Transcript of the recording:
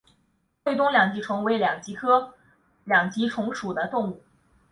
会东两极虫为两极科两极虫属的动物。